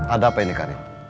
ada apa ini karin